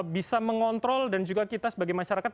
bisa mengontrol dan juga kita sebagai masyarakat